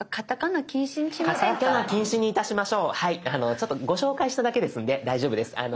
ちょっとご紹介しただけですんで大丈夫です。